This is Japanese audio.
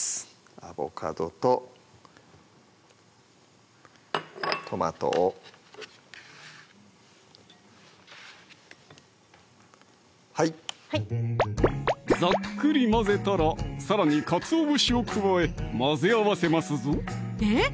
アボカドとトマトをはいざっくり混ぜたらさらにかつお節を加え混ぜ合わせますぞえっ